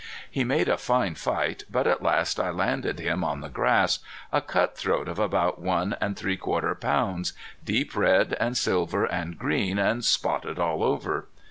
He made a fine fight, but at last I landed him on the grass, a cutthroat of about one and three quarter pounds, deep red and silver and green, and spotted all over.